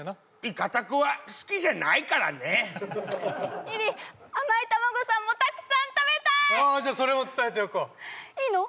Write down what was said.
イカタコは好きじゃないからね友梨甘いタマゴさんもたくさん食べたいじゃそれも伝えておこういいの？